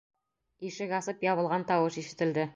Ишек асып ябылған тауыш ишетелде.